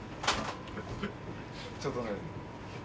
ちょっとね。